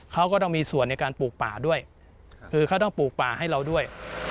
เขาก็ต้องมีส่วนในการปลูกป่าด้วยคือเขาต้องปลูกป่าให้เราด้วย